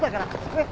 ねっ。